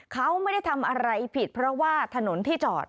เขาไม่ได้ทำอะไรผิดเพราะว่าถนนที่จอด